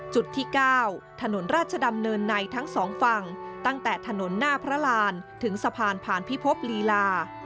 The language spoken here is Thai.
จุดที่๙ถนนราชดำเนินในทั้งสองฝั่งตั้งแต่ถนนหน้าพระรานถึงสะพานผ่านพิภพลีลา